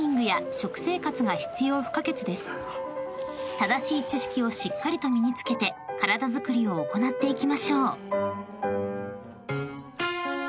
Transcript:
［正しい知識をしっかりと身に付けて体づくりを行っていきましょう］